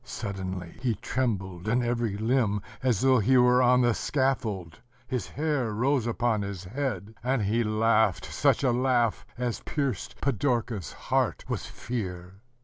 Suddenly he trembled in every limb, as though he were on the scaffold: his hair rose upon his head, ... and he laughed such a laugh as pierced Pidorka's heart with fear.